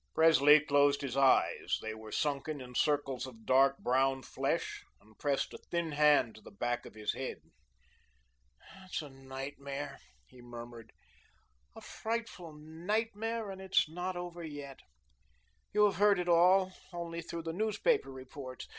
Presley closed his eyes they were sunken in circles of dark brown flesh and pressed a thin hand to the back of his head. "It is a nightmare," he murmured. "A frightful nightmare, and it's not over yet. You have heard of it all only through the newspaper reports.